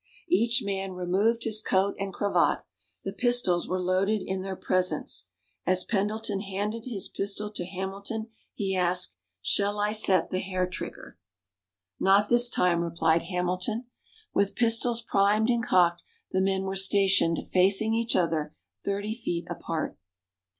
Each man removed his coat and cravat; the pistols were loaded in their presence. As Pendleton handed his pistol to Hamilton he asked, "Shall I set the hair trigger?" "Not this time," replied Hamilton. With pistols primed and cocked, the men were stationed facing each other, thirty feet apart.